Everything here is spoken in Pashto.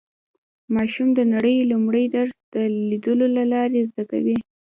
ماشوم د نړۍ لومړی درس د لیدلو له لارې زده کوي